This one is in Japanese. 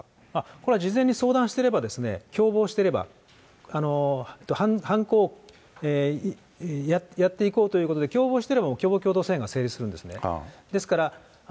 これは事前に相談してれば、共謀してれば、やっていこうということで、共謀してれば共謀が成立するんですね。